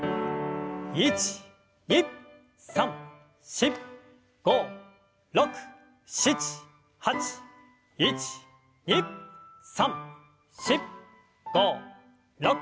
１２３４５６７８１２３４５６。